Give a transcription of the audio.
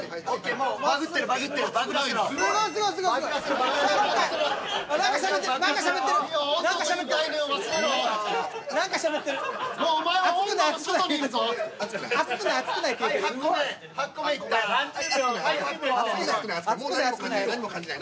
もう何も感じない